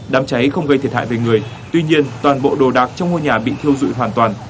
đám cháy không gây thiệt hại về người tuy nhiên toàn bộ đồ đạc trong ngôi nhà bị thiêu dụi hoàn toàn